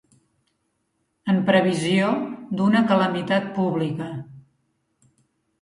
En previsió d'una calamitat pública.